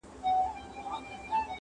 اوس د مطرب ستوني کي نسته پرونۍ سندري-